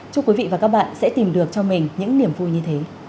chúc quý vị và các bạn sẽ tìm được cho mình những niềm vui như thế